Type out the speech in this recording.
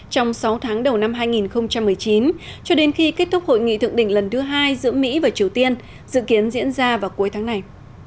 trong sáu tháng đầu năm hai nghìn một mươi chín cho đến khi kết thúc hội nghị thượng đỉnh lần thứ hai giữa mỹ và triều tiên dự kiến diễn ra vào cuối tháng này